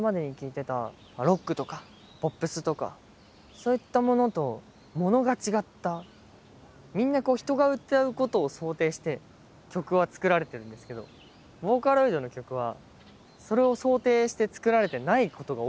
何でかっていうと僕がみんなこう人が歌うことを想定して曲は作られてるんですけどボーカロイドの曲はそれを想定して作られてないことが多い。